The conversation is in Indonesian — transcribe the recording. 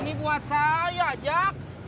ini buat saya jack